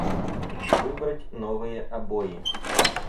Выбрать новые обои